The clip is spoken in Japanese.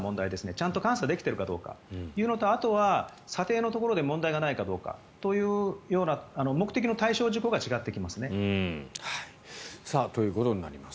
ちゃんと監査できているかどうかというのとあとは査定のところで問題がないかという目的の対象事項が違ってきます。ということになります。